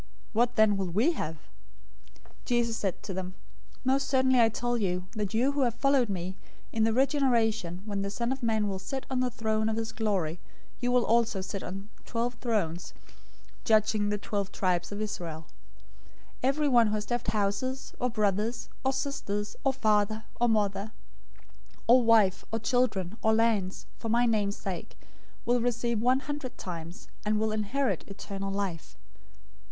What then will we have?" 019:028 Jesus said to them, "Most certainly I tell you that you who have followed me, in the regeneration when the Son of Man will sit on the throne of his glory, you also will sit on twelve thrones, judging the twelve tribes of Israel. 019:029 Everyone who has left houses, or brothers, or sisters, or father, or mother, or wife, or children, or lands, for my name's sake, will receive one hundred times, and will inherit eternal life.